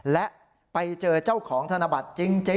และไปเจอเจ้าของธนบัตรจริง